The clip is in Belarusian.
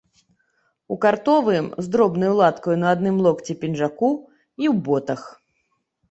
У картовым, з дробнаю латкаю на адным локці, пінжаку і ў ботах.